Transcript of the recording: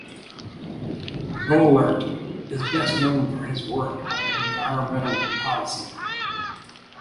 Boehlert is best known for his work on environmental policy.